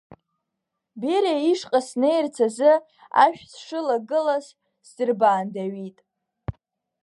Бериа ишҟа снеирц азы ашә сшылагылаз сдырбаандаҩит.